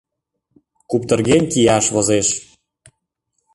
Куптырген кияш возеш.